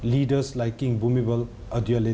ที่ต้องกลัวที่ต้องกลัวที่ต้องกลัวที่ต้องกลัว